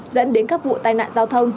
dẫn đến các vụ tai nạn giao thông